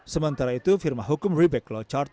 sementara itu firma hukum riebeck